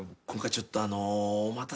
今回ちょっとあのう。